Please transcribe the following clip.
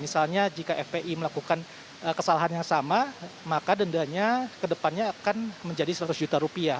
misalnya jika fpi melakukan kesalahan yang sama maka dendanya ke depannya akan menjadi seratus juta rupiah